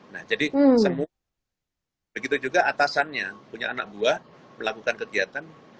nah jadi semua begitu juga atasannya punya anak buah melakukan kegiatan